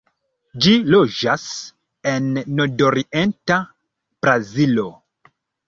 Ĝi loĝas en nordorienta Brazilo.